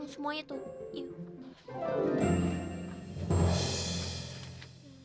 semuanya tuh yuk